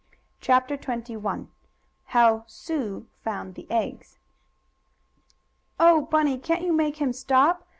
CHAPTER XXI HOW SUE FOUND THE EGGS "Oh, Bunny! Can't you make him stop?"